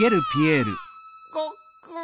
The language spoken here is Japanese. ごっくん。